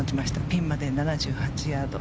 ピンまで７８ヤード。